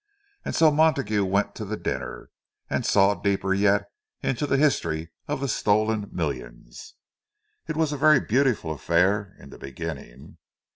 And so Montague went to the dinner, and saw deeper yet into the history of the stolen millions. It was a very beautiful affair, in the beginning.